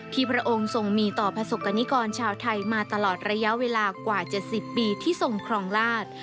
พระองค์ทรงมีต่อประสบกรณิกรชาวไทยมาตลอดระยะเวลากว่า๗๐ปีที่ทรงครองราช